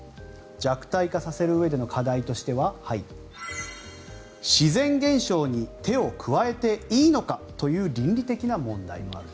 弱体化させるうえでの課題としては自然現象に手を加えていいのかという倫理的な問題もある。